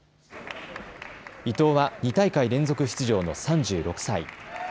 伊藤は２大会連続出場の３６歳。